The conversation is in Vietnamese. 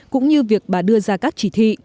cũng như việc bà đưa ra các chỉ thị